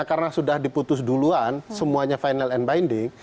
kalau diputus duluan semuanya final and binding